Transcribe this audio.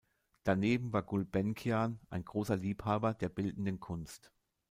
Daneben war Gulbenkian ein großer Liebhaber der bildenden Kunst.